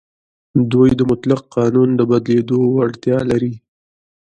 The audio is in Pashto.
دوی د مطلق قانون د بدلېدو وړتیا لري.